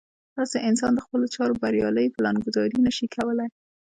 داسې انسان د خپلو چارو بريالۍ پلان ګذاري نه شي کولی.